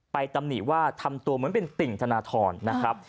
ตำหนิว่าทำตัวเหมือนเป็นติ่งธนทรนะครับ